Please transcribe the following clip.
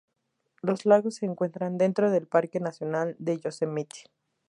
Los lagos se encuentran dentro del Parque nacional de Yosemite.